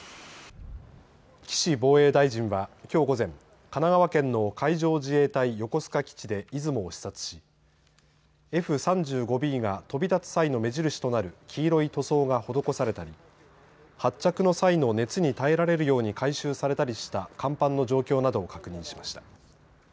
岸防衛大臣はきょう午前、神奈川県の海上自衛隊横須賀基地でいずもを視察しＦ３５Ｂが飛び立つ際の目印となる黄色い塗装が施されたり発着の際の熱に耐えられるように改修されたりした甲板の状況などを確認しました。